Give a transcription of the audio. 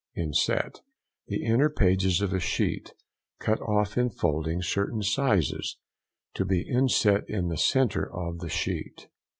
INSET.—The inner pages of a sheet, cut off in folding certain sizes; to be inset in the centre of the sheet.